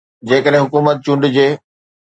جيڪڏهن حڪومت چونڊجي.